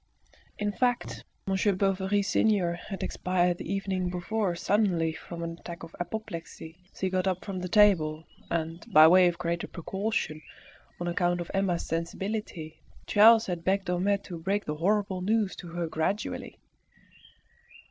In fact, Monsieur Bovary senior had expired the evening before suddenly from an attack of apoplexy as he got up from table, and by way of greater precaution, on account of Emma's sensibility, Charles had begged Homais to break the horrible news to her gradually.